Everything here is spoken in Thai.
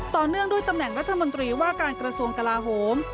เนื่องด้วยตำแหน่งรัฐมนตรีว่าการกระทรวงกลาโหม